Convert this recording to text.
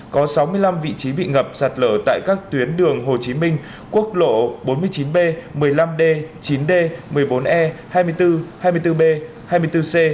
có sáu mươi năm vị trí bị ngập sạt lở tại các tuyến đường hồ chí minh quốc lộ bốn mươi chín b một mươi năm d chín d một mươi bốn e hai mươi bốn hai mươi bốn b hai mươi bốn c